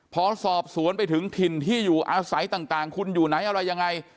พอสอบสวนไปถึงถิ่นที่อยู่อาศัยต่างคุณอยู่ไหนอะไรยังไง